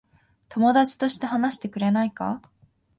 友達として話してくれないか。